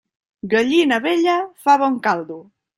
Gallina vella fa bon caldo.